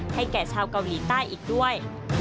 แก่ชาวเกาหลีใต้อีกด้วย